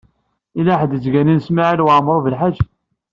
Yella ḥedd i yettganin Smawil Waɛmaṛ U Belḥaǧ.